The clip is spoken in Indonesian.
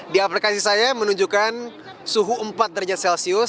di aplikasi saya menunjukkan suhu empat derajat celcius